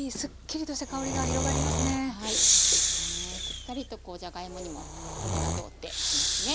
しっかりとじゃがいもにも火が通っていますね。